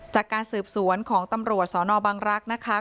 จากการสืบสวนของตำรวจสนบังรักษ์นะคะ